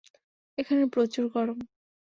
এখানে প্রচুর গরম।